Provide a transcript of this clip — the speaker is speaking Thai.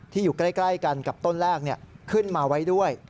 อยู่ใกล้กันกับต้นแรกขึ้นมาไว้ด้วย